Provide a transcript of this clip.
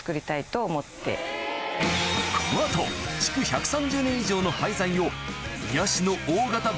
この後築１３０年以上のはい。